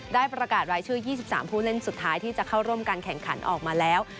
ได้ประกาศรายชื่อ๒๓ผู้เล่นสุดท้ายที่จะเข้าร่วมการแข่งขันออกมาแล้ว